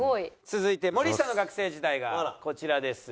続いて森下の学生時代がこちらです。